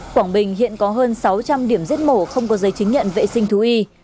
quảng bình hiện có hơn sáu trăm linh điểm giết mổ không có giấy chứng nhận vệ sinh thú y